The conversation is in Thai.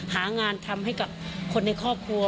หางานทำให้กับคนในครอบครัว